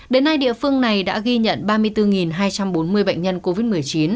đến nay địa phương này đã ghi nhận ba mươi bốn hai trăm bốn mươi bệnh nhân covid một mươi chín